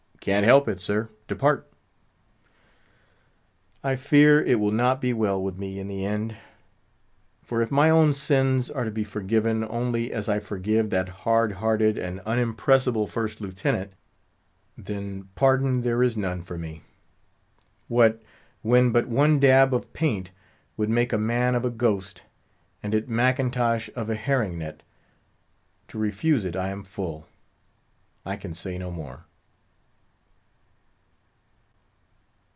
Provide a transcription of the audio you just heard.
"Can't help it, sir; depart!" I fear it will not be well with me in the end; for if my own sins are to be forgiven only as I forgive that hard hearted and unimpressible First Lieutenant, then pardon there is none for me. What! when but one dab of paint would make a man of a ghost, and it Mackintosh of a herring net—to refuse it I am full. I can say no more.